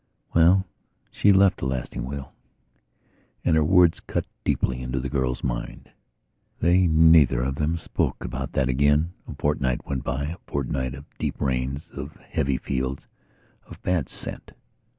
Well, she left a lasting wheal, and her words cut deeply into the girl's mind.... They neither of them spoke about that again. A fortnight went bya fortnight of deep rains, of heavy fields, of bad scent.